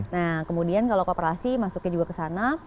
nah kemudian kalau kooperasi masuknya juga ke sana